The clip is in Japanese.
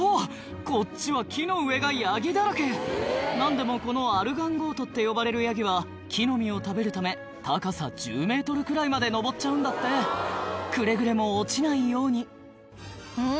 こっちは木の上がヤギだらけ何でもこのアルガンゴートって呼ばれるヤギは木の実を食べるため高さ１０ｍくらいまで登っちゃうんだってくれぐれも落ちないようにん？